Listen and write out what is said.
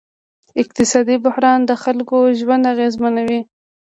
اقتصادي بحران د خلکو ژوند اغېزمنوي.